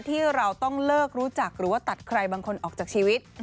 ที่เราต้องเลิกรู้จักหรือว่าตัดใครบางคนออกจากชีวิต